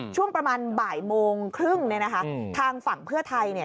ช่วงประมาณบ่ายโมงครึ่งทางฝั่งเพื่อไทย